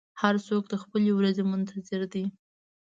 هر څوک د خپلې ورځې منتظر دی.